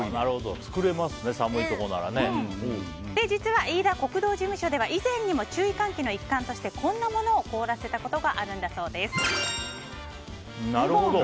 実は飯田国道事務所では以前にも注意喚起の一環としてこんなものを凍らせたことがあるんです。